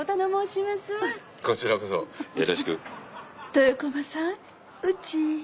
・豊駒さんうち。